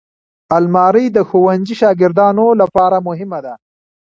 الماري د ښوونځي شاګردانو لپاره مهمه ده